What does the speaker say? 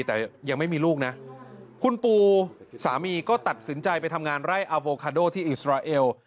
แต่ยังไม่มีลูกนะคุณปูสามีก็ตัดสินใจไปทำงานไร่อาโฟคาโดที่อิสราเอล